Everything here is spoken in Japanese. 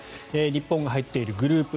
日本が入っているグループＥ